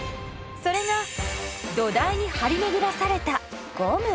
それが土台に張り巡らされたゴム。